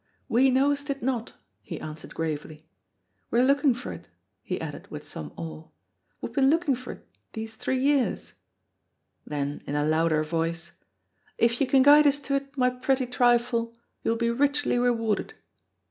"We knowest it not," he answered gravely. "We're looking for't," he added with some awe; "we've been looking for't this three year." Then, in a louder voice, "If you can guide us to it, my pretty trifle, you'll be richly rewarded."